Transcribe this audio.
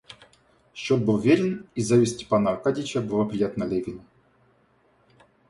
Счет был верен, и зависть Степана Аркадьича была приятна Левину.